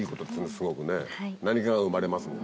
すごくね何かが生まれますもんね。